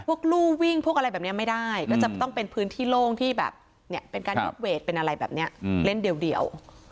ลู่วิ่งพวกอะไรแบบนี้ไม่ได้ก็จะต้องเป็นพื้นที่โล่งที่แบบเนี่ยเป็นการยึดเวทเป็นอะไรแบบนี้เล่นเดียว